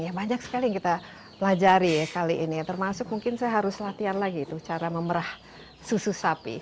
ya banyak sekali yang kita pelajari ya kali ini ya termasuk mungkin saya harus latihan lagi itu cara memerah susu sapi